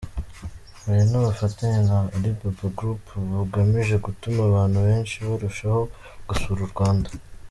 Hari n’ubufatanye na Alibaba Group, bugamije gutuma abantu benshi barushaho gusura u Rwanda.